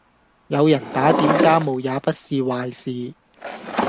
有人打點家務也不是壞事